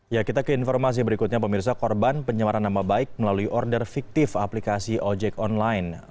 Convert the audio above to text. ya kita ke informasi berikutnya pemirsa korban penyemaran nama baik melalui order fiktif aplikasi ojek online